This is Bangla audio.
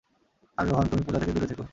আর রোহন, তুমি পুজা থেকে দূরে থেকো।